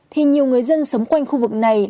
thì nhiều người dân sống quanh khu vực này